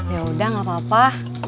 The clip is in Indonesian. yaudah gak apa apa